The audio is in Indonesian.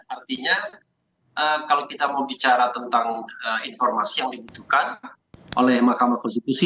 artinya kalau kita mau bicara tentang informasi yang dibutuhkan oleh mahkamah konstitusi